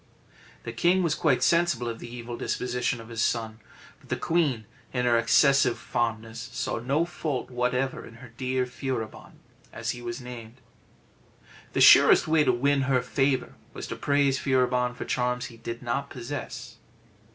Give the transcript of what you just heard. The king was quite sensible of the evil disposition of his son, but the queen, in her excessive fondness, saw no fault whatever in her dear Furibon, as he was named. The surest way to win her favour was to praise Furibon for charms he did not possess.